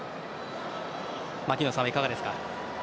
槙野さんはいかがですか？